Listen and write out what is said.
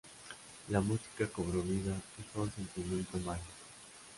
La música cobro vida y fue un sentimiento mágico.